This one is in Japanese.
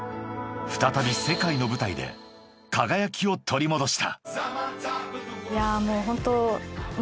［再び世界の舞台で輝きを取り戻した］